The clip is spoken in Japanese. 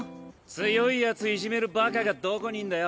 強いヤツいじめるバカがどこにいんだよ。